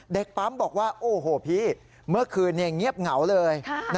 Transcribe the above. เด็กปั๊มบอกว่าโอ้โหพี่เมื่อคืนเงียบเหงาเลย